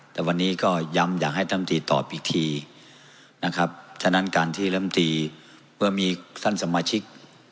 แต่วันนี้ก็ย้ำอยากให้ท่านตีตอบอีกทีนะครับฉะนั้นการที่ลำตีเมื่อมีท่านสมาชิก